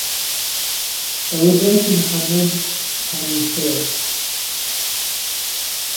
ئەوە دایکی محەممەد حەنیفەیەیە.